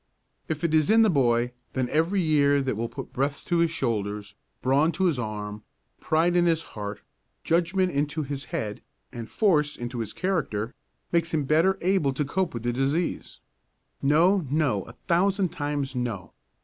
If it is in the boy, then every year that will put breadth to his shoulders, brawn on his arm, pride in his heart, judgment into his head and force into his character, makes him better able to cope with the disease. No, no, a thousand times no!